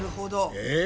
え！